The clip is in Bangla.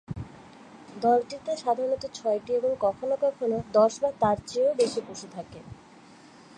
দলটিতে সাধারণত ছয়টি এবং কখনো কখনো দশ বা তার চেয়েও বেশি পশু থাকে।